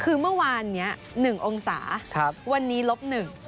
คือเมื่อวานนี้๑องศาวันนี้ลบ๑